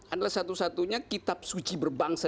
adalah satu satunya kitab suci berbangsa